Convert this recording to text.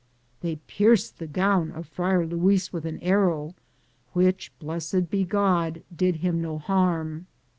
They pierced the gown of Friar Luis with an arrow, which, blessed be God, did him no harm.